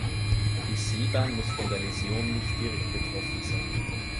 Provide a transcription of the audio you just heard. Die Sehbahn muss von der Läsion nicht direkt betroffen sein.